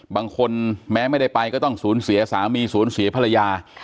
แม้ไม่ได้ไปก็ต้องสูญเสียสามีศูนย์เสียภรรยา